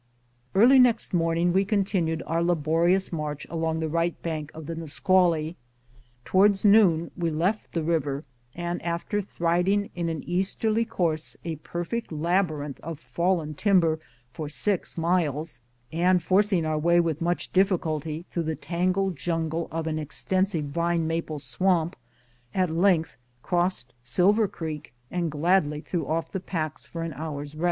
Early next morning we continued our laborious march along the right bank of the Nisqually. Towards noon we left the river, and after thriddmg in an easterly course a perfect labyrinth of fallen timber for six miles, and forcing our way with much difficulty through the tangled jungle of an extensive vine maple swamp, at length crossed Silver Creek and gladly threw off the packs for an hour's rest.